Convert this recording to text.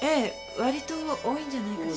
割と多いんじゃないかしら。